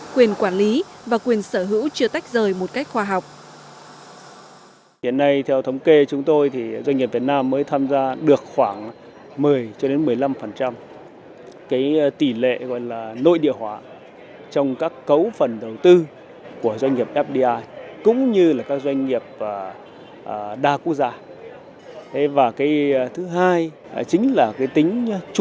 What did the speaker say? quyền quản lý và quyền sở hữu chưa tách rời một cách khoa học